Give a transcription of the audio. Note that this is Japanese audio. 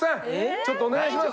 ちょっとお願いします。